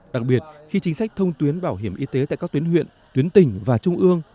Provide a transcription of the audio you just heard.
đặc biệt khi chính sách thông tuyến bảo hiểm y tế tại các tuyến huyện tuyến tỉnh và trung ương